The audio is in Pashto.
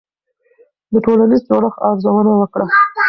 د ټولنیز جوړښت ارزونه وکړه.